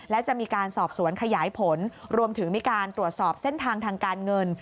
และจะมีการสอบสวนขยายผลรวมถึงมีการตรวจสอบเส้นทางทางการเงิน